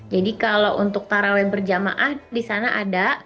jadi kalau untuk taraweb berjamaah di sana ada